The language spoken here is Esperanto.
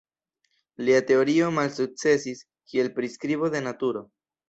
Lia teorio malsukcesis kiel priskribo de naturo.